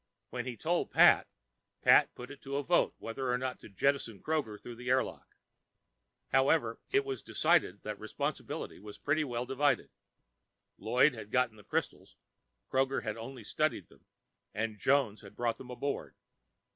When he told Pat, Pat put it to a vote whether or not to jettison Kroger through the airlock. However, it was decided that responsibility was pretty well divided. Lloyd had gotten the crystals, Kroger had only studied them, and Jones had brought them aboard.